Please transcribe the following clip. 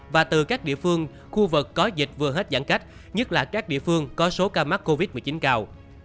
và từ các địa phương khu vực có dịch vừa hết giãn cách nhất là các địa phương có số ca mắc covid một mươi chín cao